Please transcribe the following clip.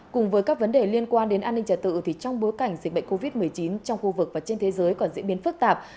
cùng với các vấn đề liên quan đến an ninh trả tự thì trong bối cảnh dịch bệnh covid một mươi chín trong khu vực và trên thế giới còn diễn biến phức tạp